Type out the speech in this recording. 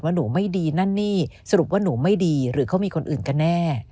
หนูไม่ดีนั่นนี่สรุปว่าหนูไม่ดีหรือเขามีคนอื่นกันแน่